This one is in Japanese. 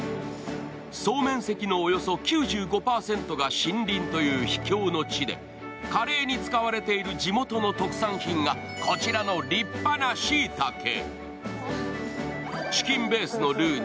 総面積のおよね９５％が森林という秘境の地でカレーに使われている地元の特産品がこちらの立派なしいたけ。